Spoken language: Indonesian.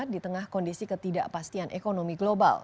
di tengah kondisi ketidakpastian ekonomi global